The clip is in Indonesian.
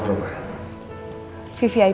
terima kasih banyak din